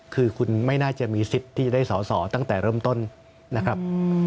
คือคุณไม่น่าจะมีสิทธิ์ที่จะได้สอสอตั้งแต่เริ่มต้นนะครับ